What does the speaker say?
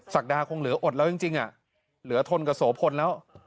ศักดาคงเหลืออดแล้วจริงเหลือทนกับโสพลแล้ว